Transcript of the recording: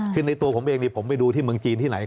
คือในตัวผมเองนี่ผมไปดูที่เมืองจีนที่ไหน